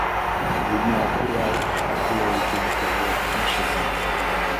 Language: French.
Il est mort au Havre et a été enterré à Incheville.